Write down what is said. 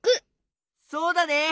そうだね！